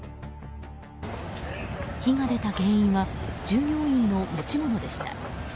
火が出た原因は従業員の持ち物でした。